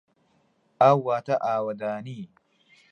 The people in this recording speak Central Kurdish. ئاو واتە ئاوەدانی.